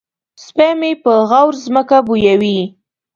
سپی مې په غور ځمکه بویوي.